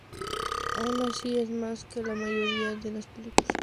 Aun así, es más que la mayoría de las películas".